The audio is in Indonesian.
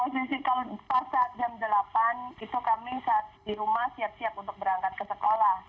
kalau pas saat jam delapan itu kami saat di rumah siap siap untuk berangkat ke sekolah